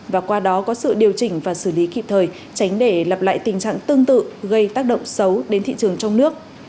và qua đó có sự điều chỉnh và xử lý kịp thời tránh để lập lại tình trạng tương tự gây tác động xấu đến thị trường trong nước